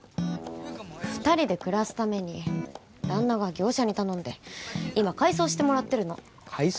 二人で暮らすために旦那が業者に頼んで今改装してもらってるの改装？